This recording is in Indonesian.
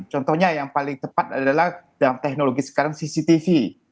contohnya yang paling tepat adalah dalam teknologi sekarang cctv